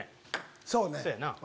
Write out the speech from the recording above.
そうね。